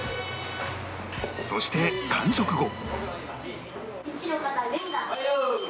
そして完食後